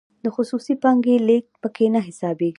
د خصوصي پانګې لیږد پکې نه حسابیږي.